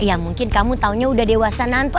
ya mungkin kamu taunya udah dewasa nanti